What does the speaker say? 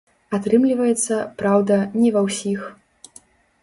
Атрымліваецца, праўда, не ва ўсіх.